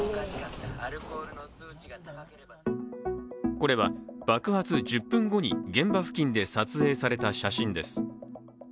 これは爆発１０分後に現場付近で撮影された写真です。